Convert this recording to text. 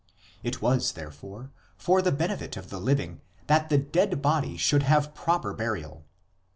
It was, there fore, for the benefit of the living that the dead body should have proper burial.